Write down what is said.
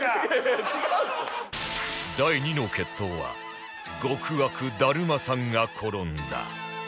第２の決闘は極悪だるまさんが転んだ